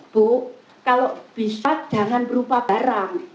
bu kalau bisa jangan berupa barang